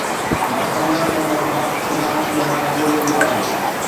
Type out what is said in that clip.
مان سمجهان ٿو ته بارڪ خرمان کي هاڻي ڳوليو ويو آهي